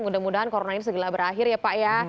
mudah mudahan corona ini segera berakhir ya pak ya